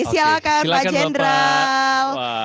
silakan pak jendral